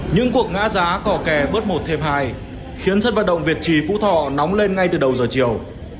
những cuộc ngã giá cỏ kè bớt một thêm hai khiến sân vận động việt trì phú thọ nóng lên ngay từ đầu giờ chiều